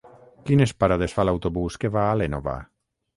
Quines parades fa l'autobús que va a l'Énova?